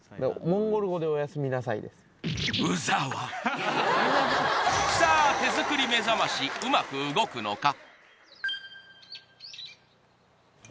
あっさあ手作り目覚ましうまく動くのか？